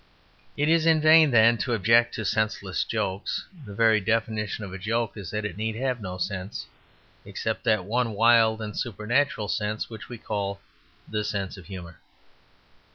It is vain, then, to object to "senseless jokes." The very definition of a joke is that it need have no sense; except that one wild and supernatural sense which we call the sense of humour.